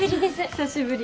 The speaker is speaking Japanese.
久しぶり。